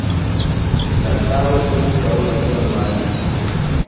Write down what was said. La caro preskaŭ nenion manĝis.